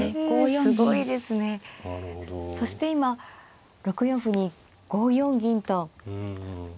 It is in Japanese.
そして今６四歩に５四銀と。